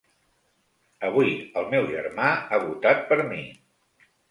Avui el meu germà ha votat per mi.